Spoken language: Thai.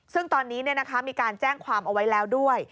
ซึ่งตอนนี้มีการแจ้งความเอาไว้แล้วด้วย